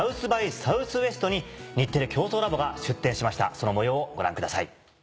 その模様をご覧ください。